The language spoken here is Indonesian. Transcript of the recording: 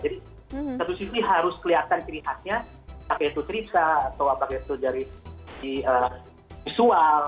jadi satu sisi harus kelihatan ciri khasnya apakah itu cerita atau apakah itu dari visual